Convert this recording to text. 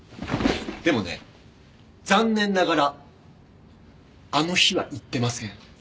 でもね残念ながらあの日は行ってません。